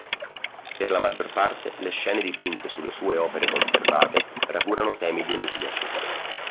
Per la maggior parte le scene dipinte sulle sue opere conservate raffigurano temi dionisiaci